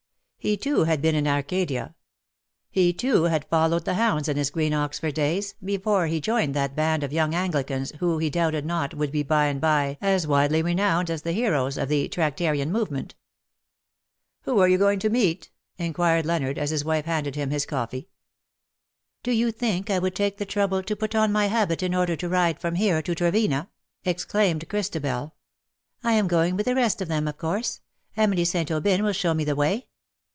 He, too, had been in Arcadia ; he, toOj had followed the hounds in his green Oxford days, before he joined that band of young Anglicans who he doubted not would by and by be as widely renowned as the heroes of the Tractarian movement. '' You are going to the meet ?^^ inquired Leonard, as his wife handed him his coffee. " Do you think I would take the trouble to put on my habit in order to ride from here to Trevena?'' exclaimed Christabel. "I am going with the rest of them, of course. Emily St. Aubyn will show me the way."